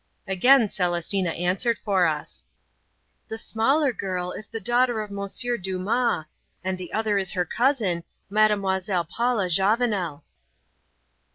Again Celestina answered for us "The smaller girl is the daughter of Monsieur Dumas, and the other is her cousin, Mademoiselle Paula Javanel."